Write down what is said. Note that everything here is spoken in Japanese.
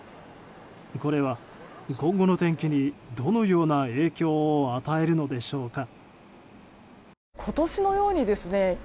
これは、今後の天気にどのような影響を与えるのでしょうか。